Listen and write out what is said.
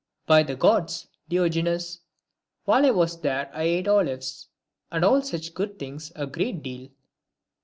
" By the Gods, Diogenes, while I was there I ate olives and all such things a great deal."